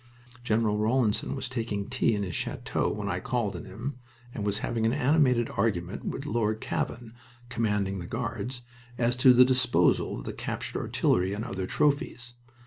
General Rawlinson was taking tea in his chateau when I called on him, and was having an animated argument with Lord Cavan, commanding the Guards, as to the disposal of the captured artillery and other trophies.